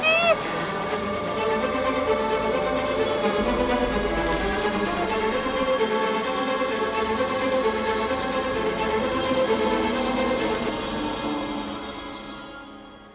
aduh asri kemana sih